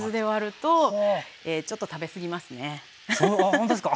ほんとですか？